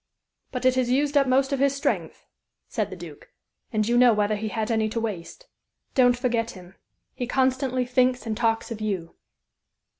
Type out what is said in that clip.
"But it has used up most of his strength," said the Duke, "and you know whether he had any to waste. Don't forget him. He constantly thinks and talks of you."